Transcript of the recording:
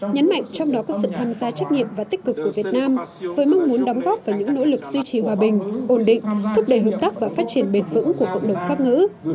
nhấn mạnh trong đó có sự tham gia trách nhiệm và tích cực của việt nam với mong muốn đóng góp vào những nỗ lực duy trì hòa bình ổn định thúc đẩy hợp tác và phát triển bền vững của cộng đồng pháp ngữ